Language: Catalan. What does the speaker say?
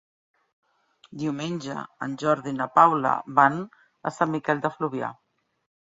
Diumenge en Jordi i na Paula van a Sant Miquel de Fluvià.